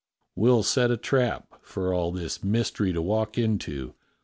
"We'll set a trap for all this mystery to walk into.